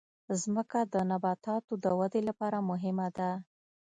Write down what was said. مځکه د نباتاتو د ودې لپاره مهمه ده.